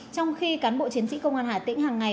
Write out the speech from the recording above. trong khi cán bộ chiến sĩ công an hà tĩnh hàng ngày